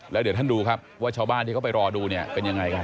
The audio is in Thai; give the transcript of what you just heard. แล้วเดี๋ยวท่านดูครับว่าชาวบ้านที่เขาไปรอดูเนี่ยเป็นยังไงกัน